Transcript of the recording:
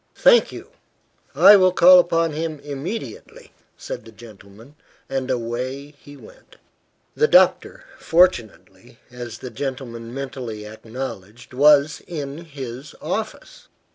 "Thank you. I will call upon him immediately," said the gentleman, and away he went. The doctor, fortunately, as the gentleman mentally acknowledged, was in his office.